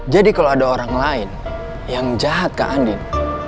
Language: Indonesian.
jadi kalau ada orang lain yang jahat ke andin